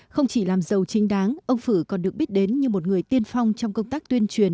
không chỉ làm giàu chính đáng ông phử còn được biết đến như một người tiên phong trong công tác tuyên truyền